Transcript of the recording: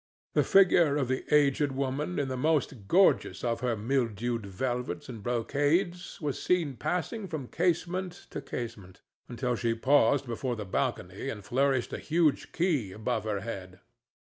The figure of the aged woman in the most gorgeous of her mildewed velvets and brocades was seen passing from casement to casement, until she paused before the balcony and flourished a huge key above her head.